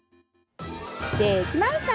できました。